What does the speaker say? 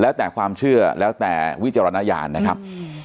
แล้วแต่ความเชื่อแล้วแต่วิจารณญาณนะครับ